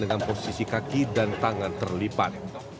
dengan posisi kaki dan tangan terlipat